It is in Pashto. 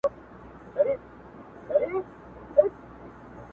یو وخت یو عجیبه روایت لیدلی و